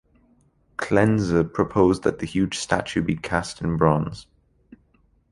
Klenze proposed that the huge statue be cast in bronze.